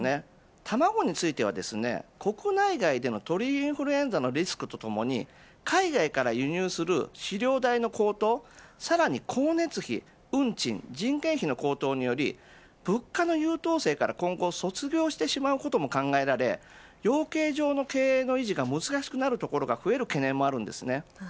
卵については国内外での鳥インフルエンザのリスクとともに海外から輸入する飼料代の高騰、さらに光熱費運賃、人件費の高騰により物価の優等生から今後卒業してしまうことも考えられ養鶏場の経営の維持が難しくなる所が増える懸念もあります。